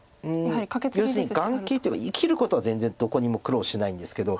要するに眼形っていうか生きることは全然どこにも苦労しないんですけど。